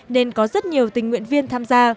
nên có rất nhiều tình nguyện viên tham gia